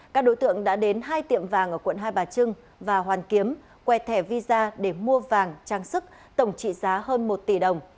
các đối tượng đã đến hai tiệm vàng ở quận hai bà trưng và hoàn kiếm quẹ thẻ visa để mua vàng trang sức tổng trị giá hơn một tỷ đồng